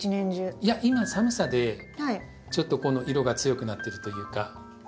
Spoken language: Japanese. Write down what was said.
いや今寒さでちょっとこの色が強くなってるというか。